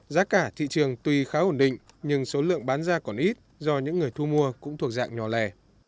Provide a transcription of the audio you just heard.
giá cả thị trường tuy khá ổn định nhưng số lượng bán ra còn ít do những người thu mua cũng thuộc dạng nhỏ lẻ